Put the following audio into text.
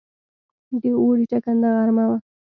د اوړي ټکنده غرمه وه.